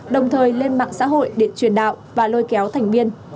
đồng thời lên mạng xã hội để truyền đạo và lôi kéo thành viên